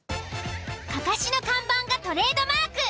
かかしの看板がトレードマーク。